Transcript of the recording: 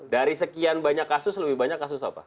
dari sekian banyak kasus lebih banyak kasus apa